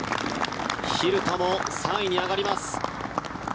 蛭田も３位に上がります。